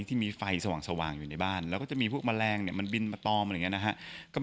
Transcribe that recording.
ที่มีไฟสว่างอยู่ในบ้านแล้วก็จะมีพวกแมลงมันบินมาต้อม